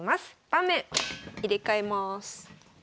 盤面入れ替えます。